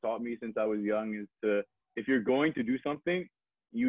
kamu harus melakukannya dengan kebaikan kemampuanmu